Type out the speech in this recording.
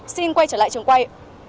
xin quay trở lại trường quay